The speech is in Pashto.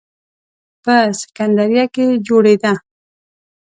په سکندریه کې جوړېده.